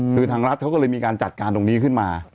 คือทางรัฐเขาก็เลยมีการจัดการตรงนี้ขึ้นมา